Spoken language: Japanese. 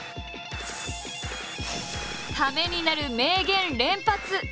ためになる名言連発！